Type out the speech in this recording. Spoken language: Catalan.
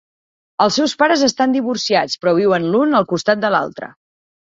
Els seus pares estan divorciats però viuen l'un al costat de l'altre.